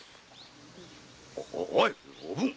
おいおぶん！